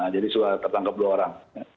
jadi sudah tertangkap dua orang